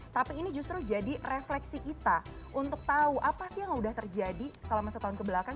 tapi ini justru jadi refleksi kita untuk tahu apa sih yang sudah terjadi selama setahun kebelakang